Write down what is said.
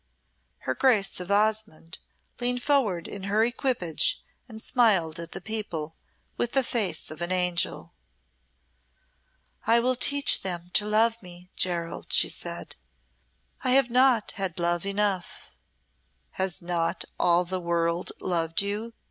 Her Grace of Osmonde leaned forward in her equipage and smiled at the people with the face of an angel. "I will teach them to love me, Gerald," she said. "I have not had love enough." "Has not all the world loved you?"